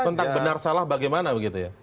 kalau yang benar salah bagaimana begitu ya